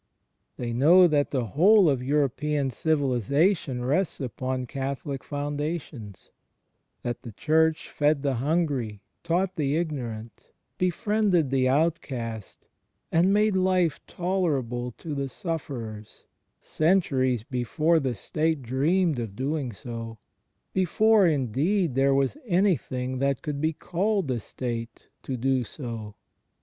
They know that the whole of European civilization rests upon Catholic foundations — that the Church fed the himgry, taught the ignorant, befriended the outcast, and made life CHRIST IN mS HISTORICAL LIFE 1 15 tolerable to the sufferers, centuries before the State dreamed of doing so, before, indeed, there was anything that could be called a State, to do so.